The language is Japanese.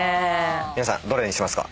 皆さんどれにしますか？